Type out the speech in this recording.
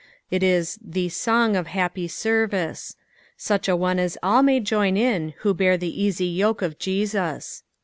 It is thx BOKO or HAPPi sxEvicE ; such a one as aS may join in leho bear the «a«y yoke cf Jesus.